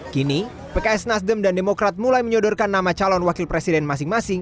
kini pks nasdem dan demokrat mulai menyodorkan nama calon wakil presiden masing masing